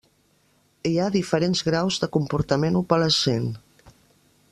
Hi ha diferents graus de comportament opalescent.